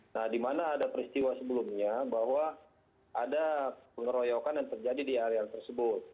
nah di mana ada peristiwa sebelumnya bahwa ada pengeroyokan yang terjadi di area tersebut